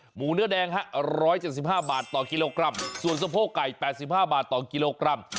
หมูเนื้อแดงฮะ๑๗๕บาทต่อกิโลกรัมส่วนสะโพกไก่๘๕บาทต่อกิโลกรัม